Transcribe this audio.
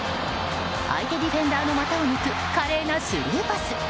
相手ディフェンダーの股を抜く華麗なスルーパス。